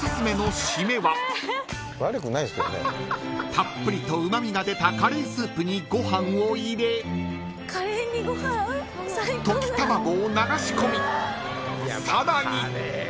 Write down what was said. ［たっぷりとうま味が出たカレースープにご飯を入れ溶き卵を流し込みさらに